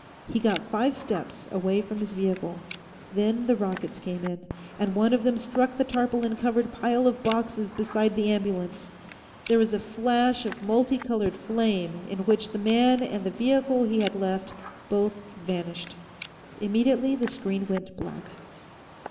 He got five steps away from his vehicle. Then the rockets came in, and one of them struck the tarpaulin covered pile of boxes beside the ambulance. There was a flash of multicolored flame, in which the man and the vehicle he had left both vanished. Immediately, the screen went black.